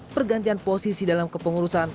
pergantian posisi dalam kepengurusan